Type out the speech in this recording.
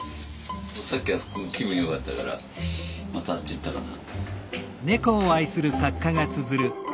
さっきあそこ気分よかったからまたあっち行ったかな。